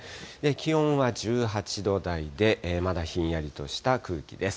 気温は１８度台で、まだひんやりとした空気です。